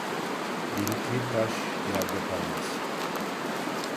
Delikli taş yerde kalmaz.